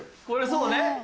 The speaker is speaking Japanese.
これそうね。